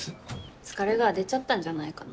疲れが出ちゃったんじゃないかな。